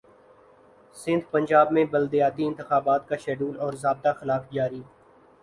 سندھپنجاب میں بلدیاتی انتخابات کاشیڈول اور ضابطہ اخلاق جاری